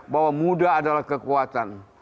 bahwa muda adalah kekuatan